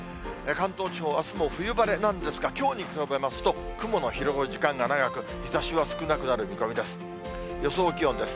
関東地方、あすも冬晴れなんですが、きょうに比べますと、雲の広がる時間が長く、日ざしは少なくなる見込みです。